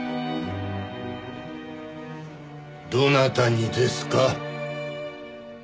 どなたにですか？